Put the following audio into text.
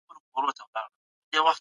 آيا د مطالعې نسل ټولنه بدلولای سي؟